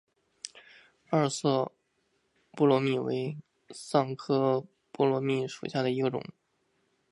二色波罗蜜为桑科波罗蜜属下的一个种。